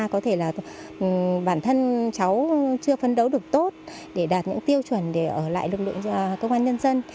có thể là bản thân cháu chưa phấn đấu được tốt để đạt những tiêu chuẩn để ở lại lực lượng công an nhân dân